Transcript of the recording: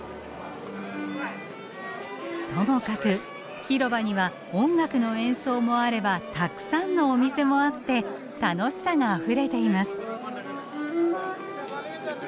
ともかく広場には音楽の演奏もあればたくさんのお店もあって楽しさがあふれています。